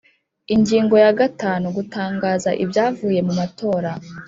Ingingo ya gatanu Gutangaza ibyavuye mu matora